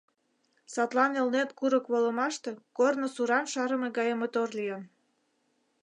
Садлан Элнет курык волымаште корно суран шарыме гае мотор лийын.